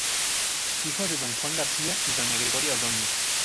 Hijo de Don Juan García y Doña Gregoria Ordóñez.